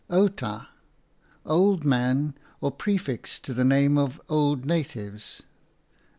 Outa, old man, prefix to the name of old natives.